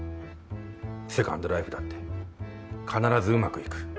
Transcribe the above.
セカンドライフだって必ずうまくいく。